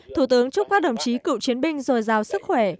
thủ tướng chúc các đồng chí cựu chiến binh rồi rào sức khỏe